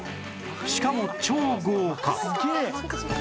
しかも超豪華